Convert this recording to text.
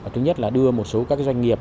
thứ nhất là đưa một số các doanh nghiệp